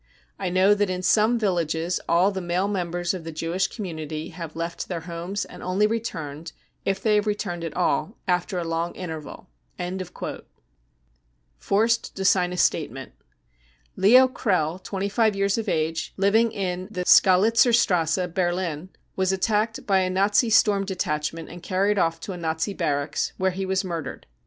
I know that in some villages all the male mem bers of the Jewish community have left their homes and THE PERSECUTION OP JEWS 24.I only returned, if they have returned at all, after a long interval." Forced to sign a Statement. Leo Krell, 25 years of age, living in the Skalitzerstrasse, Berlin, was attacked by a Nazi Storm Detachment and carried off to a Nazi barracks where he was murdered.